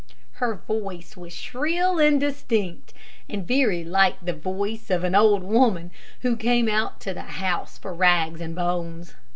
Her voice was shrill and distinct, and very like the voice of an old woman who came to the house for rags and bones.